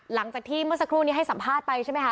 หลังจากที่เมื่อสักครู่นี้ให้สัมภาษณ์ไปใช่ไหมคะ